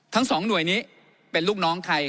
ทั้งสองหน่วยนี้เป็นลูกน้องใคร